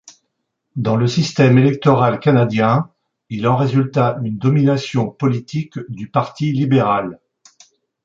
Dans le système électoral canadien, il en résulta une domination politique du Parti libéral.